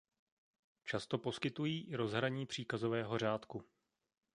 Často poskytují i rozhraní příkazového řádku.